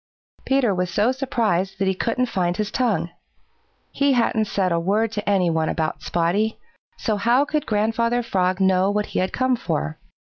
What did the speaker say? Peter was so surprised that he couldn't find his tongue. He hadn't said a word to any one about Spotty, so how could Grandfather Frog know what he had come for?